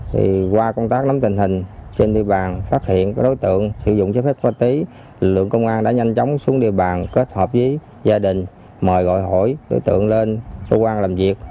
thì qua công tác nắm tình hình trên địa bàn phát hiện có đối tượng sử dụng chế phép hoa tí lực lượng công an đã nhanh chóng xuống địa bàn kết hợp với gia đình mời gọi hỏi đối tượng lên tổ quan làm việc